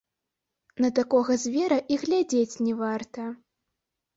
На такога звера і глядзець не варта.